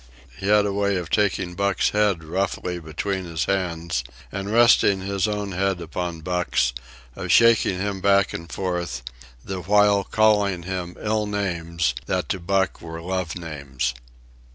He had a way of taking Buck's head roughly between his hands, and resting his own head upon Buck's, of shaking him back and forth, the while calling him ill names that to Buck were love names.